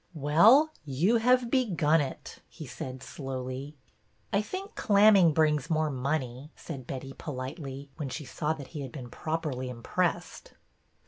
"Well, you have begun it," he said slowly. " I think clamming brings more money," said Betty, politely, when she saw that he had been properly impressed.